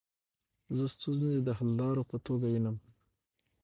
زه ستونزي د حللارو په توګه وینم.